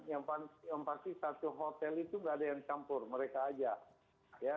yang pasti satu hotel itu nggak ada yang campur mereka aja